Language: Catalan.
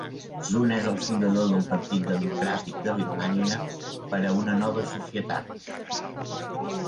Zun és el fundador del Partit Democràtic de Birmània per a una Nova Societat.